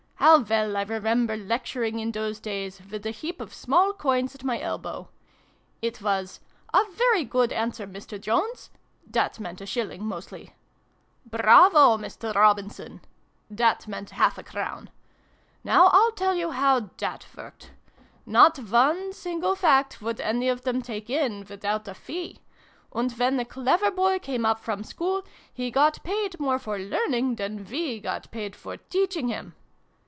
How well I remember lecturing in those days, with a heap of small coins at my elbow! It was 'A very good answer, Mr. Jones !' (that meant a shilling, mostly). ' Bravo, Mr. Robinson !' (that meant half a crown). Now I'll tell you how that worked. Not one single fact would any of them take in, without a fee ! And when a clever boy came up from school, he got paid more for learning than we got paid for teaching him